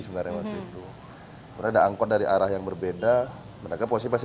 sebenarnya waktu itu mereka ada angkot dari arah yang berbeda mereka posisi pasti